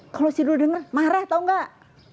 kalo si dul denger marah tau enggak